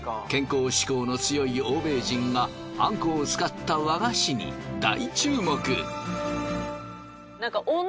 健康志向の強い欧米人があんこを使った和菓子に大注目。